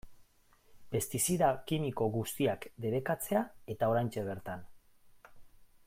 Pestizida kimiko guztiak debekatzea eta oraintxe bertan.